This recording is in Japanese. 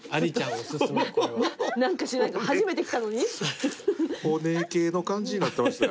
オネエ系の感じになってましたよ。